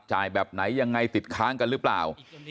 แบบไหนยังไงติดค้างกันหรือเปล่า